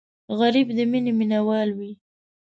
غریب د مینې مینهوال وي